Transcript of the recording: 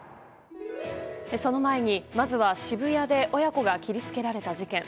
その前に、まずは渋谷で親子が切り付けられた事件。